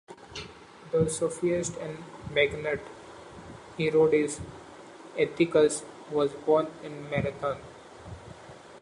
The sophist and magnate Herodes Atticus was born in Marathon.